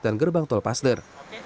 dan gerbang tol pasder